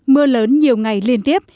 mưa lớn nhiều ngày liên tiếp